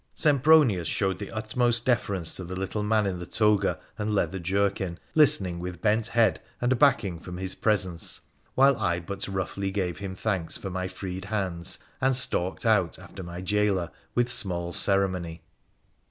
Sempronius showed the utmost deference to the little man in the toga and leather jerkin, listening with bent head and backing from his presence ; while I but roughly gave him thanks for my freed hands, and stalked out after my jailer with small ceremony.